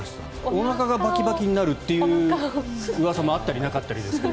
おなかがバキバキになるといううわさもあったりなかったりですが。